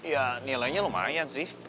ya nilainya lumayan sih